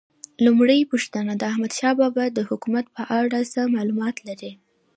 لومړۍ پوښتنه: د احمدشاه بابا د حکومت په اړه څه معلومات لرئ؟